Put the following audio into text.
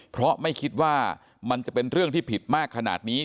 เพราะไม่คิดว่ามันจะเป็นเรื่องที่ผิดมากขนาดนี้